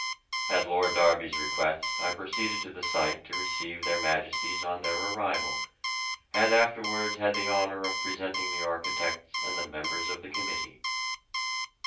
At Lord Derby's request I proceeded to the site to receive their Majesties on their arrival, and afterwards had the honour of presenting the architects and the members of the committee.